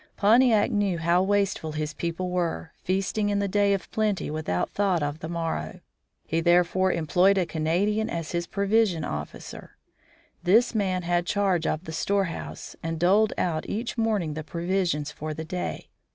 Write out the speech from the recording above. Pontiac knew how wasteful his people were, feasting in the day of plenty without thought of the morrow. He therefore employed a Canadian as his provision officer. This man had charge of the storehouse, and doled out each morning the provisions for the day.